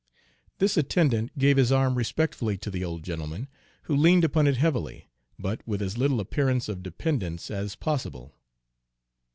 This attendant gave his arm respectfully to the old gentleman, who leaned upon it heavily, but with as little appearance of dependence as possible.